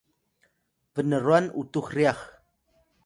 bnrwan utux ryax